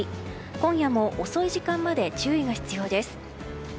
今夜も遅い時間まで注意が必要です。